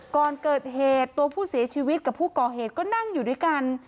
ก่อนเกิดเหตุตัวผู้เสียชีวิตกับผู้ก่อเหตุก็นั่งอยู่ด้วยกัน